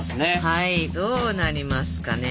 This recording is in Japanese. はいどうなりますかね。